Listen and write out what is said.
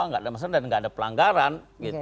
enggak ada masalah dan enggak ada pelanggaran